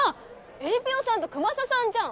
えりぴよさんとくまささんじゃん！